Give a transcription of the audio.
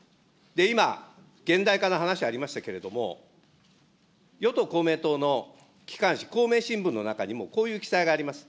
今、現代化の話ありましたけれども、与党・公明党の機関紙、公明新聞の中にもこういう記載があります。